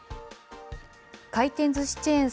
回転ずしチェーン